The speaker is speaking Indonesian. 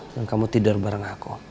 dan kamu tidur bareng aku